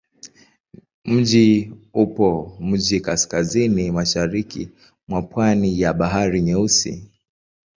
Mji upo mjini kaskazini-mashariki mwa pwani ya Bahari Nyeusi.